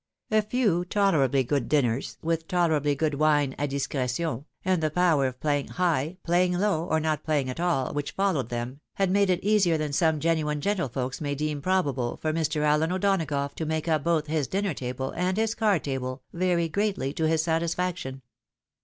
A few tolerable good dinners, with tolerably good wine a discretion, and the power of playing high, playing low, or not playing at all, which followed them, had made it easier than some genuine gentlefolks may deem probable for Mr. Allen O'Donagough to make up both his dinner table, and his card table, very greatly to his satisfaction.